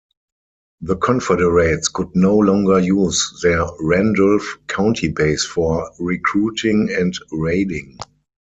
The Confederates could no longer use their Randolph County base for recruiting and raiding.